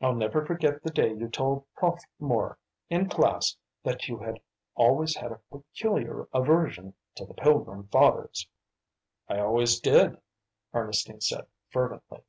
I'll never forget the day you told "Prof" Moore in class that you had always had a peculiar aversion to the Pilgrim Fathers." "I always did," Ernestine said fervently.